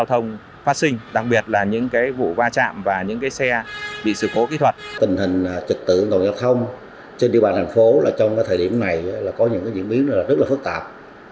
thời điểm này có những diễn biến rất là phức tạp